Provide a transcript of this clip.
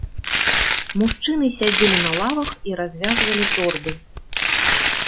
Мужчыны сядзелі на лавах і развязвалі торбы.